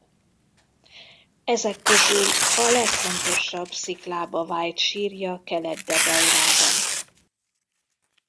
Ezek közül a legfontosabb sziklába vájt sírja Kelet-Debeirában.